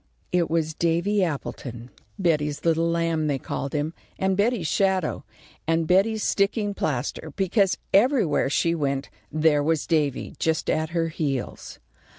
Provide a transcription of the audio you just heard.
It was Davy Appleton. Betty's little lamb, they called him, and Betty's shadow, and Betty's sticking plaster, because everywhere she went there was Davy just at her heels.